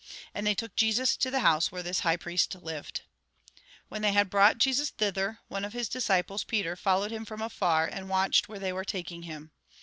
And they took Jesus to the house where this high priest lived. When they had brought Jesus thither, one of Iiis disciples, Peter, followed him from afar, and watched where they were taking him.